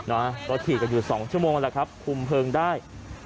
รถขี่กันอยู่๒ชั่วโมงแล้วครับคุมเพลิงได้